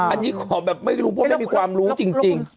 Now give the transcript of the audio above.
อันนี้ขอแบบไม่รู้เพราะไม่มีความรู้จริง